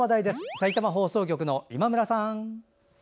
さいたま放送局の今村さん。